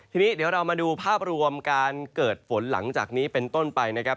ทีนี้เดี๋ยวเรามาดูภาพรวมการเกิดฝนหลังจากนี้เป็นต้นไปนะครับ